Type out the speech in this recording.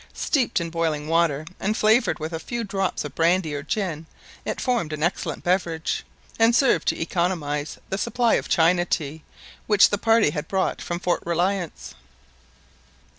Steeped in boiling water, and flavoured with a few drops of brandy or gin, it formed an excellent beverage, and served to economise the supply of China tea which the party had brought from Fort Reliance.